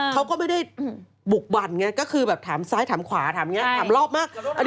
เขาก็ไม่ได้บุกบันก็คือแบบถามซ้ายถามขวาถามรอบมาก